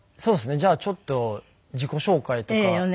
じゃあちょっと自己紹介とか。